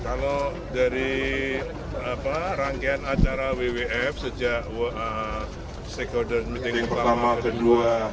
kalau dari rangkaian acara wwf sejak stakeholder meeting pertama kedua